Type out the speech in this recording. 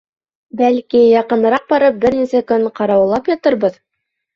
Бәлки, яҡыныраҡ барып бер нисә көн ҡарауыллап ятырбыҙ?